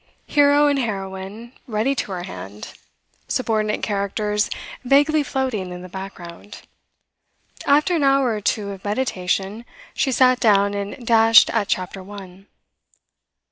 Hero and heroine ready to her hand; subordinate characters vaguely floating in the background. After an hour or two of meditation, she sat down and dashed at Chapter One.